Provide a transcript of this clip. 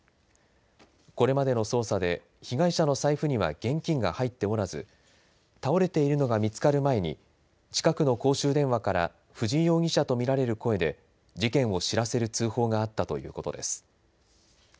これまでの捜査で被害者の財布には現金が入っておらず倒れているのが見つかる前に近くの公衆電話から藤井容疑者とみられる声で事件を知らせる通報があったということです。